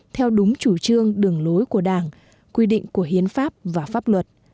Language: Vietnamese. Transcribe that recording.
theo đúng chủ trương đường lối của đảng quy định của hiến pháp và pháp luật